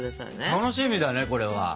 楽しみだねこれは。